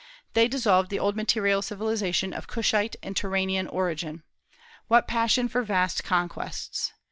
They dissolved the old material civilization of Cushite and Turanian origin. What passion for vast conquests!